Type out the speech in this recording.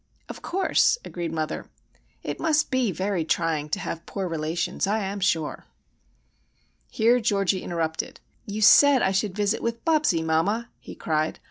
"Of course," agreed mother. "It must be very trying to have poor relations, I am sure." Here Georgie interrupted. "You said I should visit with Bobsie, mamma," he cried.